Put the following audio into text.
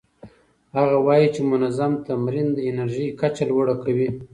هغه وايي چې منظم تمرین د انرژۍ کچه لوړه کوي.